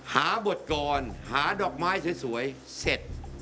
หาบทกรหาดอกไม้สวยเสร็จ